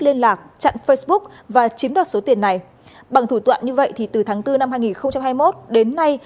liên lạc chặn facebook và chiếm đoạt số tiền này bằng thủ đoạn như vậy thì từ tháng bốn năm hai nghìn hai mươi một đến nay